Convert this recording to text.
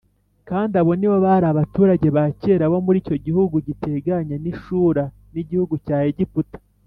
kandi abo ni bo bari abaturage ba kera bo muri icyo gihugu giteganye n’i shura n’igihugu cya egiputa